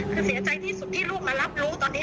คือเสียใจที่สุดที่ลูกมารับรู้ตอนนี้